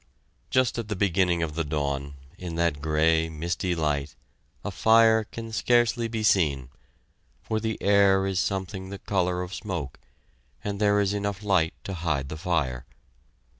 Just at the beginning of the dawn, in that gray, misty light, a fire can scarcely be seen, for the air is something the color of smoke, and there is enough light to hide the fire.